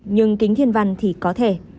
nhưng kính thiên văn thì có thể